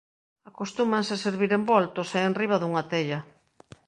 Acostúmanse a servir envoltos e enriba dunha tella.